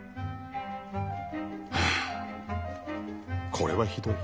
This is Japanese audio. これはひどい。